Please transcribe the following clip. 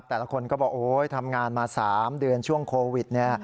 แต่ละคนก็บอกโอ๊ยทำงานมา๓เดือนช่วงโควิด